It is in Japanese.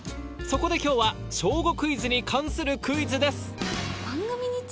そこで今日は『小５クイズ』に関するクイズです